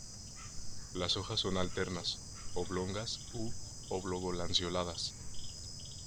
Las hojas son alternas, oblongas u oblogo-lanceoladas.